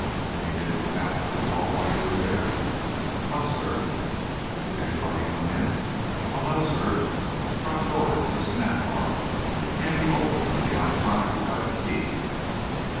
"And he didn't come out into the hall while you were there?" "No, sir." "Did anybody come in?" "Oh, no, sir; the front door has a snap lock. It can't be opened from the outside without a key."